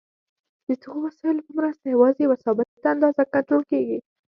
د دغو وسایلو په مرسته یوازې یوه ثابته اندازه کنټرول کېږي.